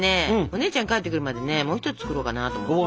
お姉ちゃん帰ってくるまでねもう一つ作ろうかなと思って。